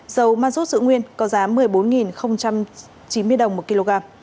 dầu ma rút giữ nguyên có giá một mươi bốn chín mươi đồng một kg